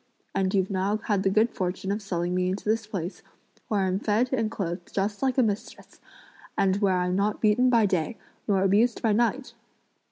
and you've now had the good fortune of selling me into this place, where I'm fed and clothed just like a mistress, and where I'm not beaten by day, nor abused by night!